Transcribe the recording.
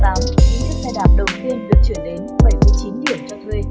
những xe đạp đầu tiên được chuyển đến bảy mươi chín điểm cho thuê